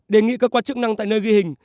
đề nghị cơ quan chức năng tại nơi ghi hình